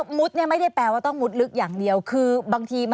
หรือเชือกนำทางใช่ไหม